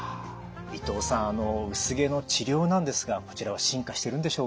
伊藤さん薄毛の治療なんですがこちらは進化してるんでしょうか？